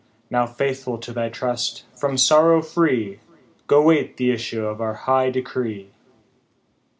Now faithful to thy trust, from sorrow free, Go wait the issue of our high decree."